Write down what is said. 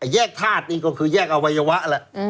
แยกธาตุนี่ก็คือแยกอวัยวะแหละ